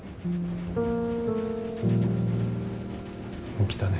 起きたね？